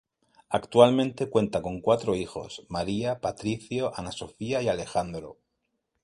Actualmente cuenta con cuatro hijos: María, Patricio, Ana Sofía y Alejandro.